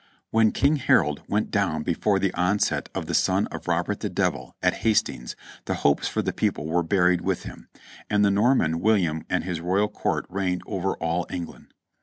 When King Harold went down before the onset of the son of Robert the Devil, at Hastings, the hopes for the people were buried with him, and the Norman William and his royal court reigned over all England.